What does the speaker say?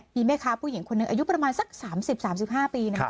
มีแม่ค้าผู้หญิงคนหนึ่งอายุประมาณสัก๓๐๓๕ปี